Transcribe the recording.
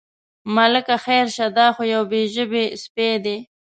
ملکه خیر شه، دا خو یو بې ژبې سپی دی.